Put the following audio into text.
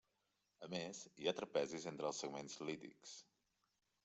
A més, hi ha trapezis entre els segments lítics.